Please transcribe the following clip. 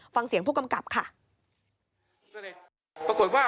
ฟังเสียงผู้กำกับค่ะ